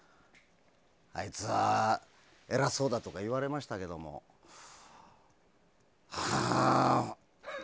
あいつは偉そうだとか言われましたけどはー。